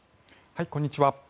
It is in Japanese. こんにちは。